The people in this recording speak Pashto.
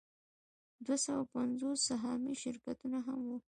دوه سوه پنځوس سهامي شرکتونه هم وو